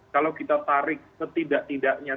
kalau kita tarik setidak tidaknya